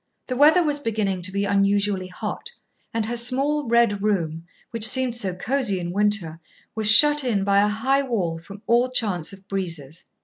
The weather was beginning to be unusually hot, and her small red room, which seemed so cosy in winter, was shut in by a high wall from all chance of breezes.